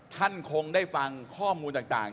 ท่านคงได้ฟังข้อมูลต่าง